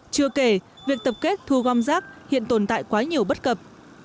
chưa kể việc tập kết thu gom rác hiện tồn tại quá nhiều bất cập